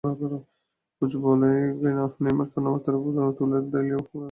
Coach বলেই কিনা, নেইমারকে অন্যমাত্রায় তুলে দিলেও অন্যদের সম্পর্কে বলতে তোলেননি তিনি।